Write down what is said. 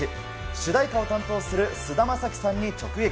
主題歌を担当する菅田将暉さんに直撃。